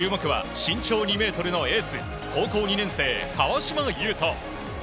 注目は、身長２ｍのエース高校２年生、川島悠翔。